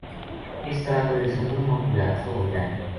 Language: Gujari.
اس طرح کَدے سفر ما کوئی حادثو ہو جائے